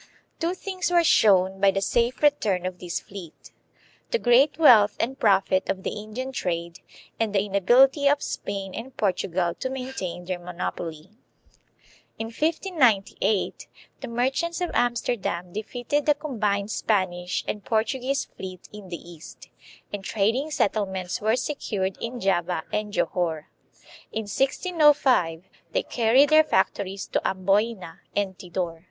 Two things were shown by the safe return of this fleet, the great wealth and profit of the Indian trade, and the inability of Spain and Portugal to maintain their monopoly. In 1598 the merchants of Amsterdam defeated a com bined Spanish and Portuguese fleet in the East, and trad ing settlements were secured in Java and Johore. In 1605 they carried their factories to Amboina and Tidor.